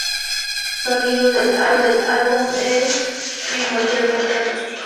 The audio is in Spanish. El sonido del álbum es primordialmente acústico e intimista.